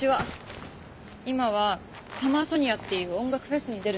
今はサマーソニアっていう音楽フェスに出るの目指してる。